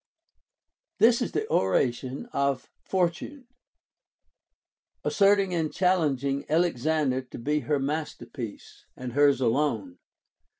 1. This is the oration of Fortune, asserting and challeng ing Alexander to be her masterpiece, and hers alone.